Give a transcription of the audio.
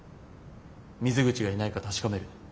水口がいないか確かめる。